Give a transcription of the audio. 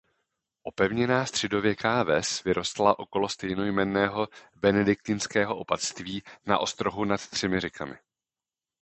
Opevněná středověká ves vyrostla okolo stejnojmenného benediktinského opatství na ostrohu nad třemi řekami.